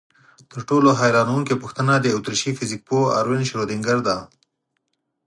تر ټولو حیرانوونکې پوښتنه د اتریشي فزیکپوه اروین شرودینګر ده.